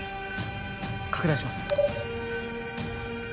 拡大します。